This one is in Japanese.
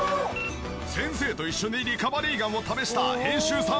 先生と一緒にリカバリーガンを試した編集さん